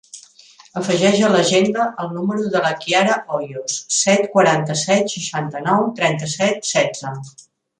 Afegeix a l'agenda el número de la Kiara Hoyos: set, quaranta-set, seixanta-nou, trenta-set, setze.